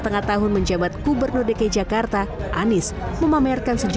eh kenapa tepuk tangan ini